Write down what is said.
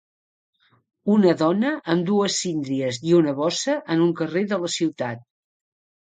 Una dona amb dues síndries i una bossa en un carrer de la ciutat.